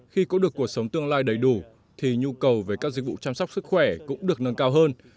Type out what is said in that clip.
khi có được cuộc sống tương lai đầy đủ thì nhu cầu về các dịch vụ chăm sóc sức khỏe cũng được nâng cao hơn